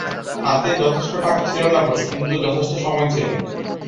হাতে যথেষ্ট টাকা ছিল না বটে, কিন্তু যথেষ্ট সময় ছিল।